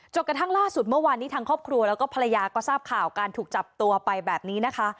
กระทั่งล่าสุดเมื่อวานนี้ทางครอบครัวแล้วก็ภรรยาก็ทราบข่าวการถูกจับตัวไปแบบนี้นะคะ